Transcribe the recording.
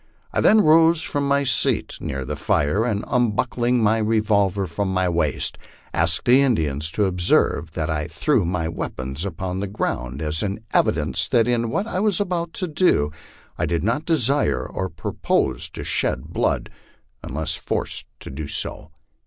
I then rose from my seat near the fire, and unbuckling my revolver from my waist asked the Indians to observe that I threw my weapons upon the ground, as an evidence that in what I was about to do I did not desire or propose to shed blood unless forced to do so.